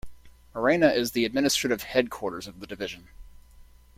Morena is the administrative headquarters of the division.